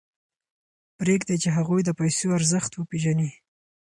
پرېږدئ چې هغوی د پیسو ارزښت وپېژني.